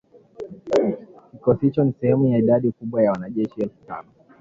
Kikosi hicho ni sehemu ya idadi kubwa ya wanajeshi elfu tano